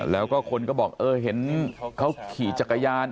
แล้วก็คนก็บอกเออเห็นเขาขี่จักรยาน